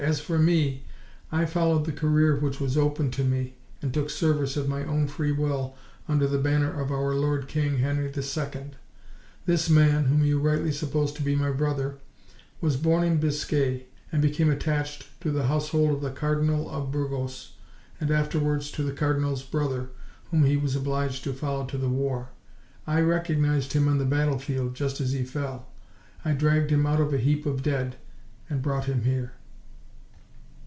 "As for me, I followed the career which was open to me, and took service of my own free will under the banner of our lord king, Henry II. This man, whom you rightly suppose to be my brother, was born in Biscay, and became attached to the household of the Cardinal of Burgos, and afterwards to the cardinal's brother, whom he was obliged to follow to the war. I recognised him on the battle field just as he fell; I dragged him out of a heap of dead, and brought him here."